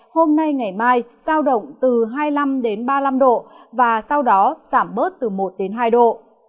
hôm nay ngày mai sao động từ hai mươi năm đến ba mươi năm độ và sau đó giảm bớt từ một đến ba độ